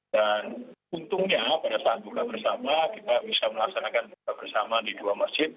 dan untungnya pada saat buka bersama kita bisa melaksanakan buka bersama di dua masjid